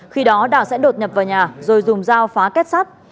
khi đó đào sẽ đột nhập vào nhà rồi dùng dao phá kết sắt